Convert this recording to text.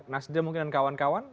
nasdem mungkin dan kawan kawan